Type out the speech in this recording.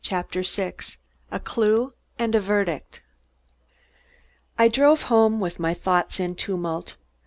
CHAPTER SIX A CLUE AND A VERDICT I drove home with my thoughts in a tumult.